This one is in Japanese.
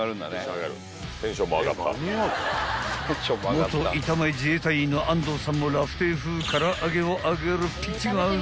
［元板前自衛隊員の安藤さんもラフテー風空上げを揚げるピッチが上がる］